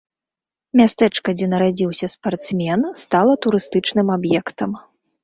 Мястэчка, дзе нарадзіўся спартсмен, стала турыстычным аб'ектам.